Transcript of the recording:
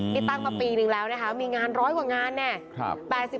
นี่ตั้งมาปีนึงแล้วนะคะมีงาน๑๐๐กว่างานแน่